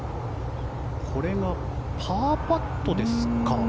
これがパーパットですか。